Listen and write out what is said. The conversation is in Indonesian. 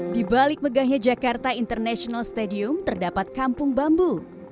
di balik megahnya jakarta international stadium terdapat kampung bambu